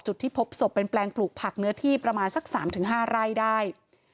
จุดที่พบศพเป็นแปลงปลูกผักเนื้อที่ประมาณสัก๓๕ไร่ได้